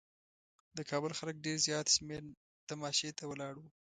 د کابل خلک ډېر زیات شمېر تماشې ته ولاړ وو.